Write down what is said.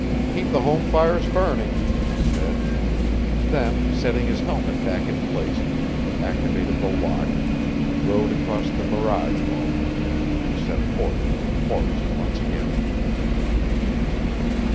"Keep the home fires burning," he said; then, setting his helmet back in place, he activated the lock, rode across the mirage moat, and set forth into the forest once again.